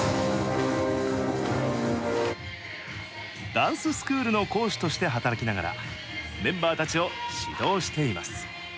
ダンススクールの講師として働きながらメンバーたちを指導しています。